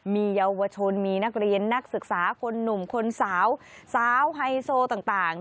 มีเยาวชนมีนักเรียนนักศึกษาคนหนุ่มคนสาวสาวไฮโซต่าง